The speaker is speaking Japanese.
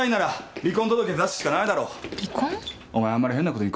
離婚！？